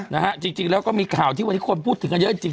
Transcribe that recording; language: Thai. นะฮะจริงแล้วก็มีข่าวที่วันนี้คนพูดถึงกันเยอะจริง